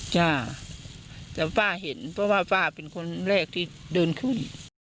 จ้าแต่ป้าเห็นเพราะว่าป้าเป็นคนแรกที่เดินขึ้น